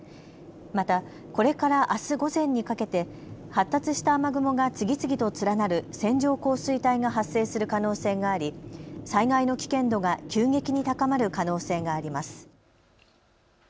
また、これからあす午前にかけて発達した雨雲が次々と連なる線状降水帯が発生する可能性があり、災害の危険度が急激に高まる可能性があります。